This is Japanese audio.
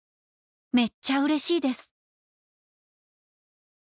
めっちゃ嬉しいです！」。